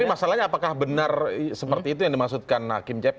tapi masalahnya apakah benar seperti itu yang dimaksudkan hakim cp